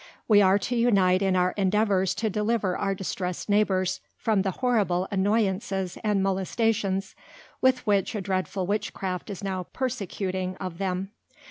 We are to unite in our Endeavours to deliver our distressed Neighbours, from the horrible Annoyances and Molestations with which a dreadful Witchcraft is now persecuting of them.